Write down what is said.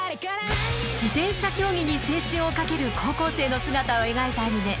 自転車競技に青春をかける高校生の姿を描いたアニメ